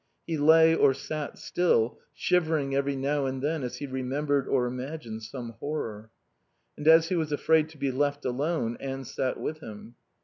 He lay or sat still, shivering every now and then as he remembered or imagined some horror. And as he was afraid to be left alone Anne sat with him.